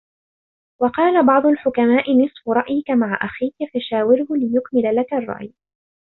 وَقَالَ بَعْضُ الْحُكَمَاءِ نِصْفُ رَأْيِك مَعَ أَخِيك فَشَاوِرْهُ لِيَكْمُلَ لَك الرَّأْيُ